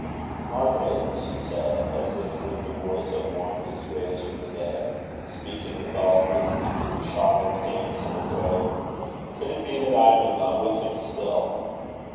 "Margaret," she said, as if with the voice as of one just raised from the dead, speaking with all the charnel damps in her throat, "could it be that I am in love with him still?"